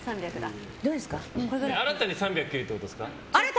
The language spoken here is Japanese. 新たに３００切るってことですか？